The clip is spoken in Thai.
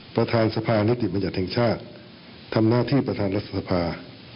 ประธานสภานิติบัญญัติแห่งชาติทำหน้าที่ประธานรัฐสภา